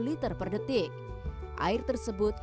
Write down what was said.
liter per detik air tersebut